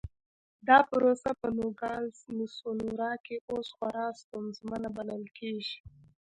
دا پروسه په نوګالس سونورا کې اوس خورا ستونزمنه بلل کېږي.